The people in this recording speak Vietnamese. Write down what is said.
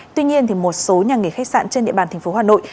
tuy nhiên một số nhà nghỉ khách sạn trên địa bàn thành phố hà nội